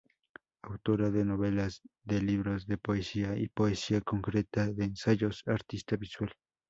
Autora de novelas, de libros de poesía y poesía concreta, de ensayos, artista visual.